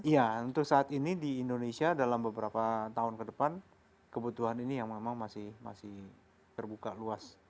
ya untuk saat ini di indonesia dalam beberapa tahun ke depan kebutuhan ini yang memang masih terbuka luas